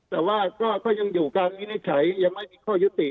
แต่ว่าก็ยังอยู่การวินิจฉัยยังไม่มีข้อยุติ